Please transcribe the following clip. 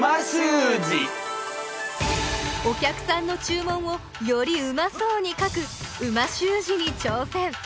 お客さんの注文をよりうまそうに書く美味しゅう字に挑戦！